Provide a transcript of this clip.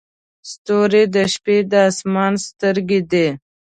ستوري د شپې د اسمان سترګې دي.